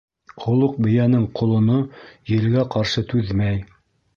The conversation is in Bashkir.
Ҡолоҡ бейәнең ҡолоно елгә ҡаршы түҙмәй.